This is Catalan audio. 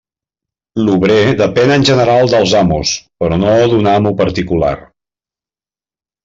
L'obrer depèn en general dels amos, però no d'un amo particular.